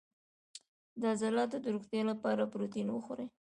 د عضلاتو د روغتیا لپاره پروتین وخورئ